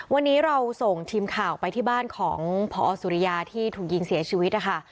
วันนี้เราส่งทีมข่าวไปที่บ้านของพอสุริยาที่ถูกยิงเสียชีวิตนะคะ